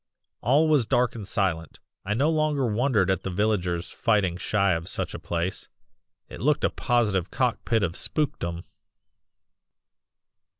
"All was dark and silent. I no longer wondered at the villagers fighting shy of such a place; it looked a positive cock pit of spookdom.